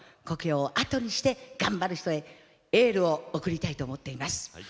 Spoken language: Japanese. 故郷をあとにして頑張る人へエールを送りたいと思っています。